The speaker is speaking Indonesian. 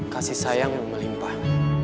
kasih sayangmu melimpah